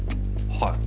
はい。